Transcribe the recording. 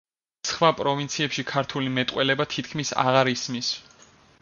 სხვა პროვინციებში ქართული მეტყველება თითქმის აღარ ისმის.